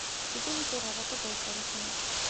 Хүлээхээс өөр аргагүй байдалд оруулсан юм.